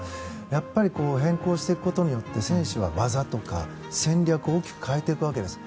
やっぱり変更していくことによって選手は技とか戦略を大きく変えていくわけです。